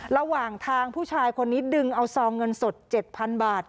ระหว่างทางผู้ชายคนนี้ดึงเอาซองเงินสด๗๐๐บาท